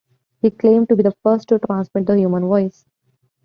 He claimed to be the first to transmit the human voice.